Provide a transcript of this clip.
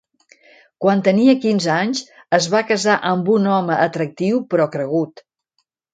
Quan tenia quinze anys, es va casar amb un home atractiu però cregut.